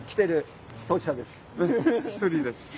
一人です。